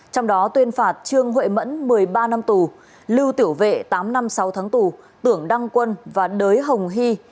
trong đó tuyên phạt trương huệ mẫn một mươi ba năm tù lưu tiểu vệ tám năm sáu tháng tù tưởng đăng quân và đới hồng hy